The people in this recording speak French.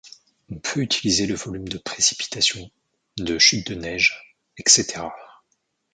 On peut utiliser le volume de précipitations, de chutes de neiges, etc.